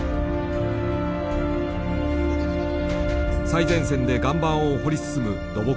最前線で岩盤を掘り進む土木屋。